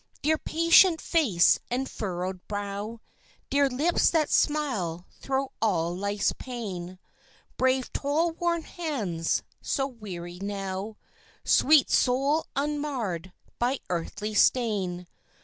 Dear patient face and furrowed brow, Dear lips that smile thro' all life's pain, Brave toil worn hands, so weary now, Sweet soul unmarred by earthly stain.